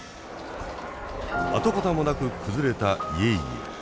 跡形もなく崩れた家々。